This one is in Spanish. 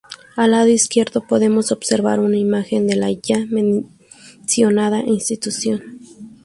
Al lado Izquierdo podemos observar una imagen de la Ya mencionada Institución.